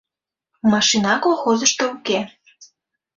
Машина колхозышто уке.